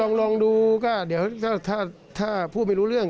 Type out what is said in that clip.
ลองดูก็เดี๋ยวถ้าพูดไม่รู้เรื่อง